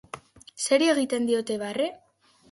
Zeri egiten diote barre?